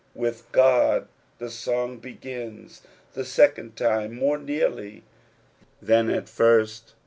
With God the song begins the second time more nearly than at first.